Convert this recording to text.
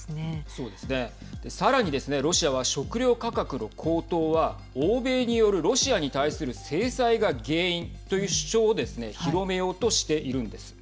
そうですね、さらにですねロシアは食糧価格の高騰は欧米によるロシアに対する制裁が原因という主張をですね広めようとしているんです。